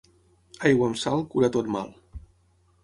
Aigua amb sal cura tot mal.